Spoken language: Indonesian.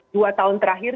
dua tahun terakhir